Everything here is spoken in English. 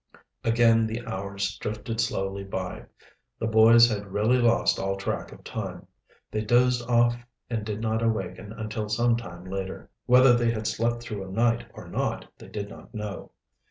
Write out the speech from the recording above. Again the hours drifted slowly by. The boys had really lost all track of time. They dozed off and did not awaken until some time later. Whether they had slept through a night or not they did not know.